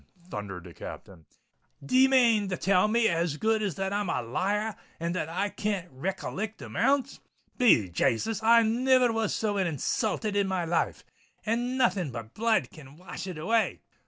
thundered the Captain. "D'ye mane to tell me as good as that I'm a liar r, and that I can't recollect amounts?—Be Jasus! I niver was so insulthed in my life—and nothing but blood can wash it away!"